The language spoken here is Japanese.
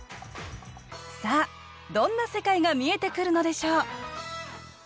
さあどんな世界が見えてくるのでしょう